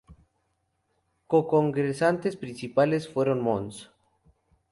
Co-consagrantes principales fueron Mons.